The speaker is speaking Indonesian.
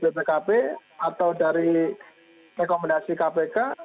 dari audiens bpkp atau dari rekomendasi kpk